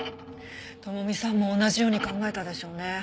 朋美さんも同じように考えたでしょうね。